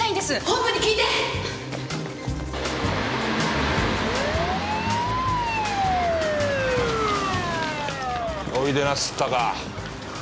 おいでなすったか。